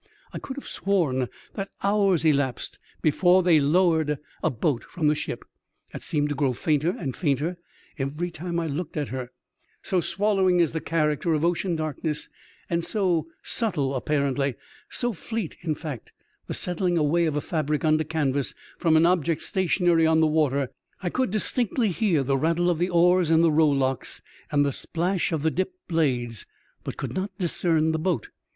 I could have sworn that hours elapsed before they lowered a boat from the ship that seemed to grow fainter and fainter every time I looked at her, so swallowing is the character of ocean darkness, and so subtle apparently, so fleet, in fact, the settling away of a fabric under canvas from an object stationary on the water. I could distinctly hear the rattle of the oars in the rowlocks and the splash of 3 80 EXTBAOBDINABY ADVENTUIIE OF A CHIEF MATE. the dipped blades, but could not discern the boat.